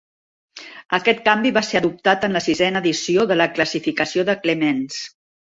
Aquest canvi va ser adoptat en la sisena edició de la classificació de Clements.